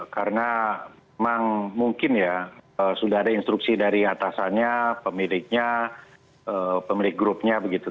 karena memang mungkin ya sudah ada instruksi dari atasannya pemiliknya pemilik grupnya begitu